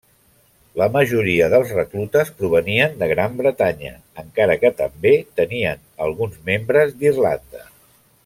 La majoria dels reclutes provenien de Gran Bretanya, encara que també tenien alguns membres d'Irlanda.